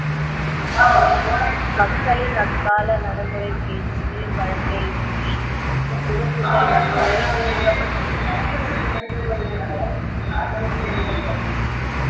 மக்களின் அக்கால நடைமுறைப் பேச்சு வழக்கையொட்டி இவ்வுறுப்புகள் நன்னூலில் கூறப்பட்டுள்ளன.